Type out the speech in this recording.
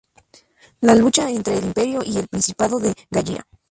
La lucha entre el Imperio y el Principado de Gallia.